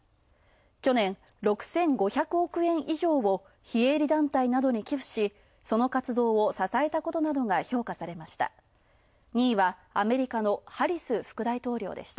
去年６５００億円以上を非営利団体などに寄付し、その活動を支えたこと等が評価されました。